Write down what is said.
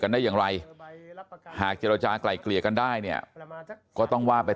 ได้อย่างไรหากเจรจากลายเกลี่ยกันได้เนี่ยก็ต้องว่าไป